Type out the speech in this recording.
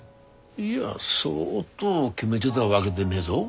いやそうど決めでだわげでねえぞ。